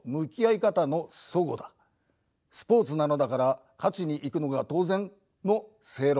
スポーツなのだから「勝ちに行くのが当然」も正論。